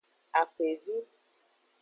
Axwevi.